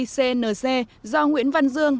c n c do nguyễn văn dương